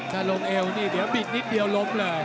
ถ้าลงเอวนี่เดี๋ยวบิดนิดเดียวล้มเลย